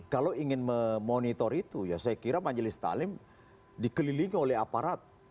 kalau ingin memonitor itu ya saya kira majelis talim dikelilingi oleh aparat